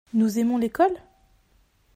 Nous aimons l'école ?